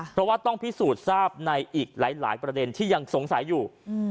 เพราะว่าต้องพิสูจน์ทราบในอีกหลายประเด็นที่ยังสงสัยอยู่